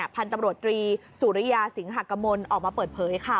พันธุ์ตำรวจตรีสุริยาสิงหากมลออกมาเปิดเผยค่ะ